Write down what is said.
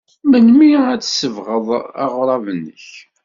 Melmi ay tsebɣeḍ aɣrab-nnek?